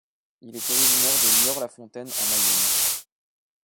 Il est originaire de Niort-la-Fontaine en Mayenne.